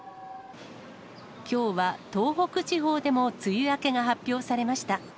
きょうは東北地方でも梅雨明けが発表されました。